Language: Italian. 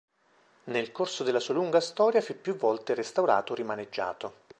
Nel corso della sua lunga storia fu più volte restaurato o rimaneggiato.